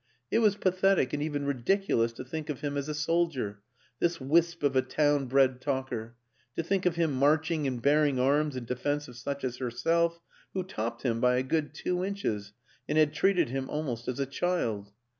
It was pathetic and even ridic ulous to think of him as a soldier, this wisp of a town bred talker; to think of him marching and bearing arms in defense of such as herself who topped him by a good two inches and had treated him almost as a child.